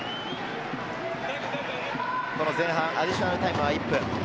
前半アディショナルタイムは１分。